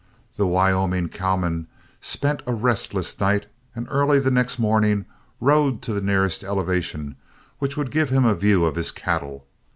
The Wyoming cowman spent a restless night, and early the next morning rode to the nearest elevation which would give him a view of his cattle.